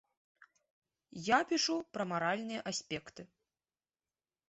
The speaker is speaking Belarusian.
Я пішу пра маральныя аспекты.